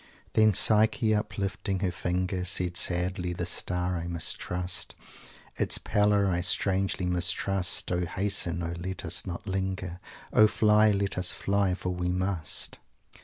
"Then Psyche, uplifting her finger, Said, 'sadly this star I mistrust, Its pallor I strangely mistrust. O hasten! O let us not linger! O fly! Let us fly! for we must!'"